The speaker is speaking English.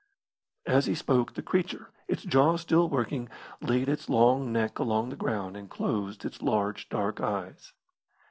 As he spoke the creature, its jaw still working, laid its long neck along the ground and closed its large dark eyes.